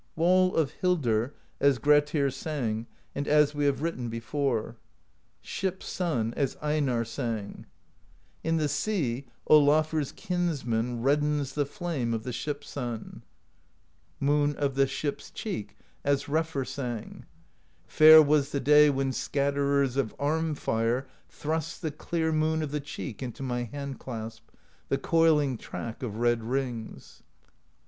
Wall of Hildr, as Grettir sang, and as we have written before. Ship Sun, as Einarr sang: In the sea Olafr's Kinsman Reddens the flame of the Ship Sun. THE POESY OF SKALDS 185 Moon of the Ship's Cheek, as Refr sang: Fair was the day, when Scatterers Of Arm Fire thrust the clear Moon Of the Cheek into my hand clasp, The coiling track of red rings.